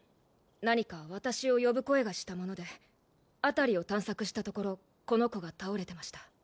何か私を呼ぶ声がしたもので辺りを探索したところこの子が倒れてました